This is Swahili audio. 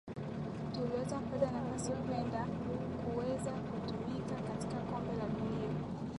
tuliweza kupata nafasi kwenda kuweza kutumika katika kombe la dunia